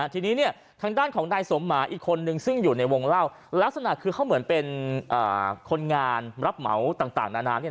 ทีนี้ทางด้านของนายสมหมาอีกคนนึงซึ่งอยู่ในวงเล่าลักษณะคือเขาเหมือนเป็นคนงานรับเหมาต่างนานา